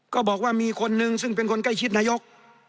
ก็บอกว่ามีคนนึงซึ่งเป็นคนใกล้ชิดนายก